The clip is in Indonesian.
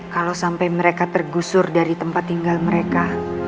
kalau sampai mereka tergusur dari tempat tinggal mereka